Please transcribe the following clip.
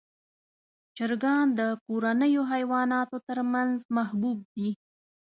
چرګان د کورنیو حیواناتو تر منځ محبوب دي.